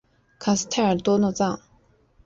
卡斯泰尔诺多藏。